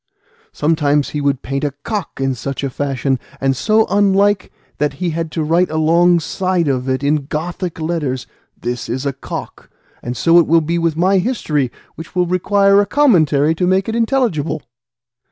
Sometimes he would paint a cock in such a fashion, and so unlike, that he had to write alongside of it in Gothic letters, 'This is a cock;' and so it will be with my history, which will require a commentary to make it intelligible."